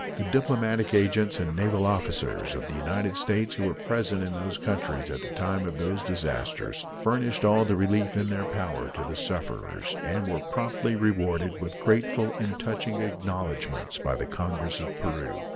The diplomatic agents and naval officers of the United States who were present in those countries at the time of those disasters furnished all the relief in their power to the sufferers, and were promptly rewarded with grateful and touching acknowledgments by the Congress of Peru.